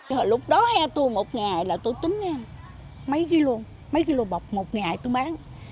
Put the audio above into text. hồi lúc đó he tôi một ngày là tôi tính mấy kg bọc một ngày tôi bán